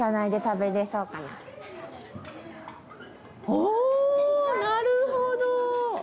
おおなるほど！